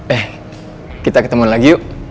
eh kita ketemu lagi yuk